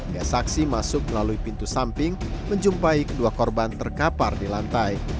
dia saksi masuk melalui pintu samping menjumpai kedua korban terkapar di lantai